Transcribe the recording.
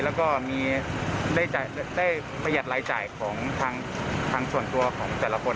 แล้วก็มีได้ประหยัดรายจ่ายของทางส่วนตัวของแต่ละคน